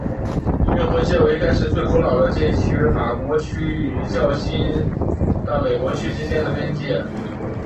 运河街为该市最古老的街区法国区与较新的美国区之间的边界。